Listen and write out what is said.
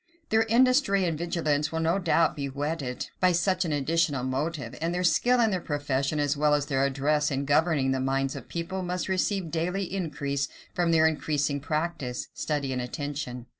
Their industry and vigilance will no doubt, be whetted by such an additional motive; and their skill in their profession, as well as their address in governing the minds of the people, must receive daily increase from their increasing practice, study, and attention.